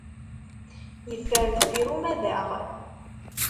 Yeffer deffir umadaɣ.